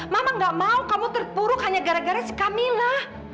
mama nggak mau kamu terpuruk hanya gara gara si camila